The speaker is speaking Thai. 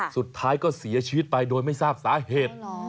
สุดท้ายก็เสียชีวิตไปโดยไม่ทราบสาเหตุ